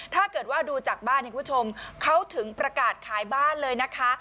ถ้าเกิดดูจากบ้านเขาถึงประกาศขายบ้านเลยนะคะ